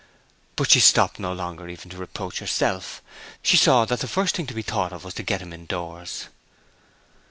But she stopped no longer even to reproach herself. She saw that the first thing to be thought of was to get him indoors.